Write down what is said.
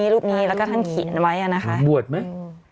รูปนี้แล้วก็ท่านเขียนไว้